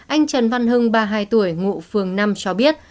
anh trần văn hưng ba mươi hai tuổi ngụ phường năm cho biết